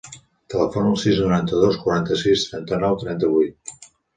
Telefona al sis, noranta-dos, quaranta-sis, trenta-nou, trenta-vuit.